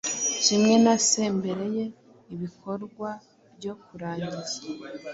Kimwe na se mbere ye ibikorwa- byo kurangiza